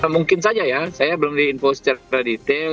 mungkin saja ya saya belum diinfo secara detail